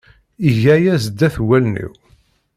Iga aya sdat wallen-iw.